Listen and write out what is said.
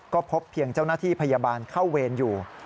ก็พบเพียงเจ้าหน้าที่พยาบาลเข้าเวรอยู่